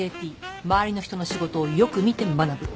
周りの人の仕事をよく見て学ぶ。